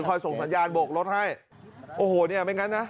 ส่งสัญญาณโบกรถให้โอ้โหเนี่ยไม่งั้นนะ